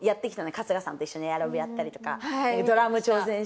春日さんと一緒にエアロビやったりとかドラム挑戦したりとか。